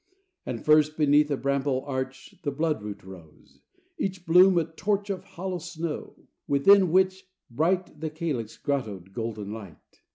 And first, beneath a bramble arch, The bloodroot rose; each bloom a torch Of hollow snow, within which, bright, The calyx grottoed golden light.